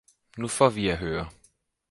Nu faae vi at høre!